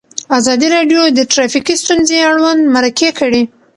ازادي راډیو د ټرافیکي ستونزې اړوند مرکې کړي.